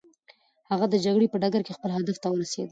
هغه د جګړې په ډګر کې خپل هدف ته ورسېد.